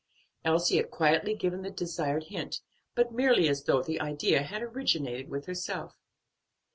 Elsie had quietly given the desired hint, but merely as though the idea had originated with herself.